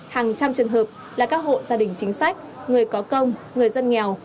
hàng trăm trường hợp là các hộ gia đình chính sách người có công người dân nghèo